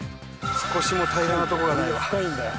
少しも平らなとこがないわ。